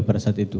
pada saat itu